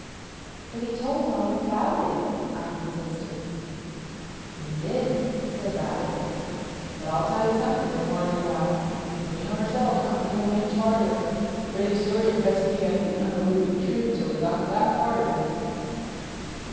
"But he told all about it," I insisted. "He did," said Babbitts, "but I'll tell you something, Miss Morganthau—between ourselves not to go an inch farther—Reddy's story impressed me as the undiluted truth till he got to that part of it."